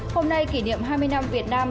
hôm nay kỷ niệm hai mươi năm việt nam